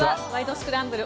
スクランブル」